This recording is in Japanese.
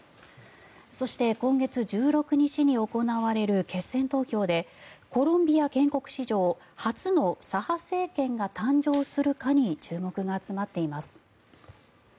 そして、今月１６日に行われる決選投票でコロンビア建国史上初の左派政権が誕生するかに注目が集まっています。